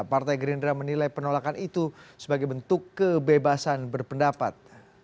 partai gerindra menilai penolakan itu sebagai bentuk kebebasan berpendapat